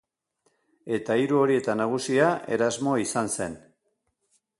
Eta hiru horietan nagusia, Erasmo izan zen.